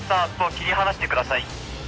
切り離してください。